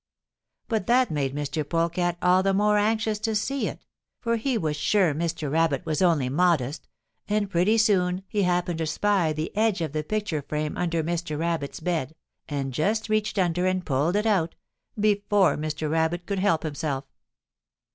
But that made Mr. Polecat all the more anxious to see it, for he was sure Mr. Rabbit was only modest, and pretty soon he happened to spy the edge of the picture frame under Mr. Rabbit's bed, and just reached under and pulled it out, before Mr. Rabbit could help himself.